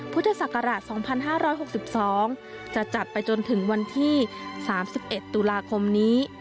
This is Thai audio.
พุทธศักราชสองพันห้าร้อยหกสิบสองจะจัดไปจนถึงวันที่สามสิบเอ็ดตุลาคมนี้